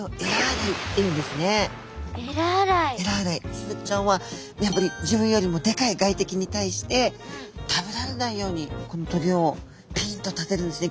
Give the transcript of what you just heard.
スズキちゃんはやっぱり自分よりもでかい外敵に対して食べられないようにこの棘をピンと立てるんですね。